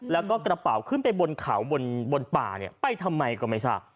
แล้วก็กระเป๋าขึ้นไปบนเขาบนป่าเนี่ยไปทำไมก็ไม่ทราบ